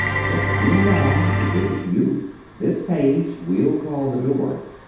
They're coming now to visit you. This page we'll call the door.